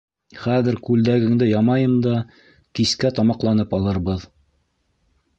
Хәҙер күлдәгеңде ямайым да, кискә тамаҡланып алырбыҙ.